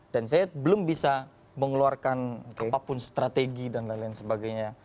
dan saya belum bisa mengeluarkan apapun strategi dan lain lain sebagainya